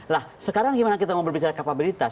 nah sekarang gimana kita mau berbicara kapabilitas